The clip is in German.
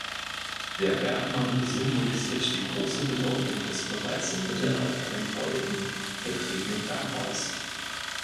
Der Bergmann symbolisiert die große Bedeutung des bereits im Mittelalter in Beuthen betriebenen Bergbaus.